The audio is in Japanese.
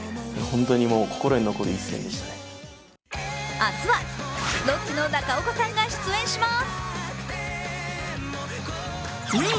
明日はロッチの中岡さんが出演します。